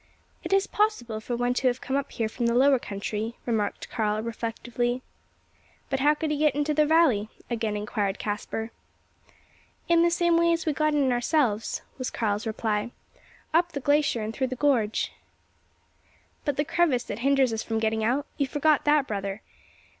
"It is possible for one to have come up here from the lower country," remarked Karl, reflectively. "But how could he get into the valley?" again inquired Caspar. "In the same way as we got in ourselves," was Karl's reply; "up the glacier and through the gorge." "But the crevasse that hinders us from getting out? You forget that, brother?